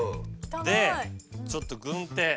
でちょっと軍手。